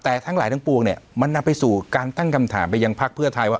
แต่ทั้งหลายทั้งปวงเนี่ยมันนำไปสู่การตั้งคำถามไปยังพักเพื่อไทยว่า